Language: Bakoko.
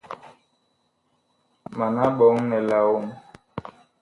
Mana ɓɔŋ nɛ laa woŋ ?